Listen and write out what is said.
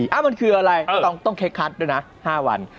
เอ้ามันคืออะไรต้องเค้กคัดด้วยนะ๕วัน